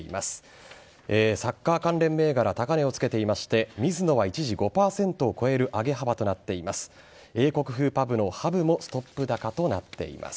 高値をつけていましてミズノは一時５％を超える上げ幅となっています。